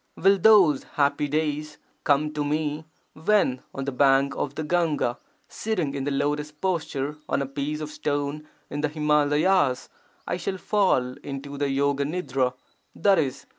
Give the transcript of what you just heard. Will those happy days come to me when on the bank of the Gahga, sitting in the lotus posture on a piece of stone in the Himalayas, I shall fall into the yoga nidra (i.e.